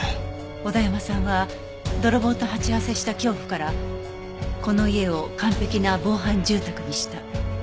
小田山さんは泥棒と鉢合わせした恐怖からこの家を完璧な防犯住宅にした。